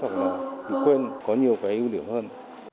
hoặc mình bị quên có nhiều cái ưu điểm hơn